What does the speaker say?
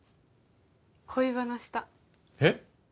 恋バナしたえっ！？